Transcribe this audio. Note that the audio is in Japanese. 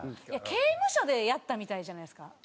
刑務所でやったみたいじゃないですか。